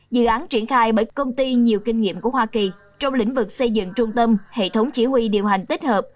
dự án triển khai bởi công ty nhiều kinh nghiệm của hoa kỳ trong lĩnh vực xây dựng trung tâm hệ thống chỉ huy điều hành tích hợp